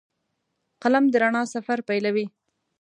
قلم د رڼا سفر پیلوي